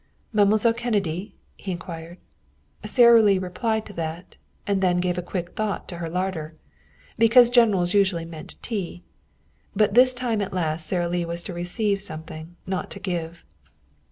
"Mademoiselle Kennedy?" he inquired. Sara Lee replied to that, and then gave a quick thought to her larder. Because generals usually meant tea. But this time at last, Sara Lee was to receive something, not to give.